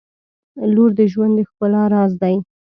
• لور د ژوند د ښکلا راز دی.